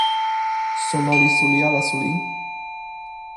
suno li suli ala suli?